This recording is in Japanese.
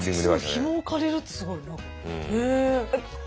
靴のひもを借りるってすごいなあ。